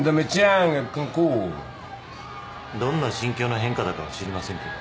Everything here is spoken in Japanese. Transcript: どんな心境の変化だかは知りませんけど。